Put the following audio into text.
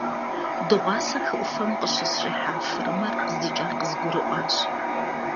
Дыгъуасэ хы Ӏуфэм къыщысщӀихьа фырымэр къыздикӀар къызгурыӀуащ.